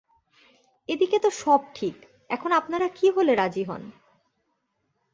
এ দিকে তো সব ঠিক– এখন আপনারা কী হলে রাজি হন?